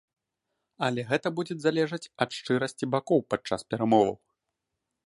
Але гэта будзе залежаць ад шчырасці бакоў падчас перамоваў.